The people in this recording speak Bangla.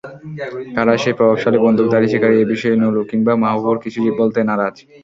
কারা সেই প্রভাবশালী বন্দুকধারী শিকারি—এ বিষয়ে নুরুল কিংবা মাহাবুবুর কিছু বলতে নারাজ।